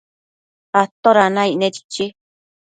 ¿toda naicne?chichi